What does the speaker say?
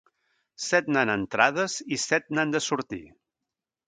Set n'han entrades i set n'han de sortir.